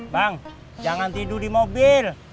bang jangan tidur di mobil